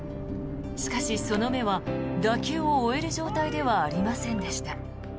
しかし、その目は打球を追える状態ではありませんでした。